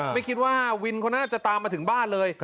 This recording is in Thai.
ไม่คิดว่าวินคนนั้นจะตามมาถึงบ้านเลย